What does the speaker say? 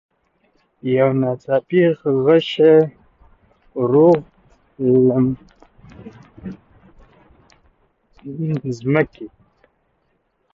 یو ناڅاپه غشی ورغی له مځکي